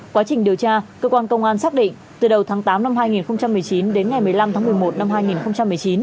quá trình điều tra cơ quan công an xác định từ đầu tháng tám năm hai nghìn một mươi chín đến ngày một mươi năm tháng một mươi một năm hai nghìn một mươi chín